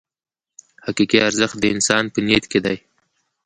حقیقي ارزښت د انسان په نیت کې دی.